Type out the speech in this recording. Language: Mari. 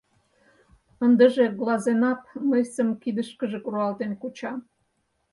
Ындыже Глазенапп мыйсым кидышкыже руалтен куча!